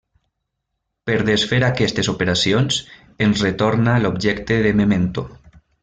Per desfer aquestes operacions, ens retorna l'objecte de memento.